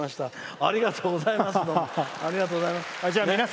ありがとうございます。